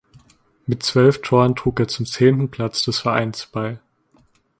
Mit zwölf Toren trug er zum zehnten Platz des Vereins bei.